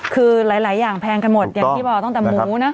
คือหลายอย่างแพงกันหมดอย่างที่บอกตั้งแต่หมูนะ